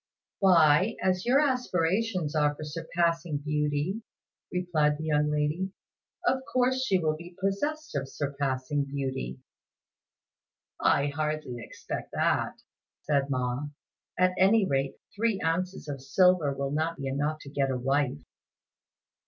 "Why, as your aspirations are for 'surpassing' beauty," replied the young lady, "of course she will be possessed of surpassing beauty." "I hardly expect that," said Ma; "at any rate three ounces of silver will not be enough to get a wife."